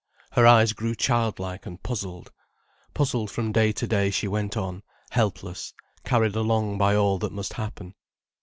Her eyes grew childlike and puzzled. Puzzled from day to day she went on, helpless, carried along by all that must happen.